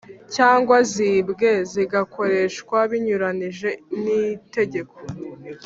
cyangwa zibwe zigakoreshwa binyuranije nitegeko